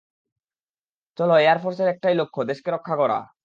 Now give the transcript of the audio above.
চলো এয়ারফোর্স এর একটাই লক্ষ্য, দেশকে রক্ষা করা।